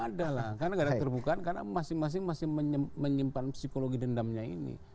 karena gara gara terbukaan karena masing masing masih menyimpan psikologi dendamnya ini